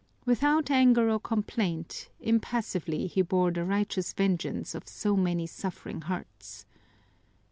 Without anger or complaint, impassively he bore the righteous vengeance of so many suffering hearts.